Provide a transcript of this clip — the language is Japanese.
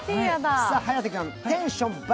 颯君、テンション爆